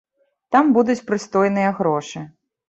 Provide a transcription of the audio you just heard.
Там будуць прыстойныя грошы.